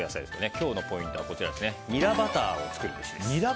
今日のポイントはニラバターを作るべしです。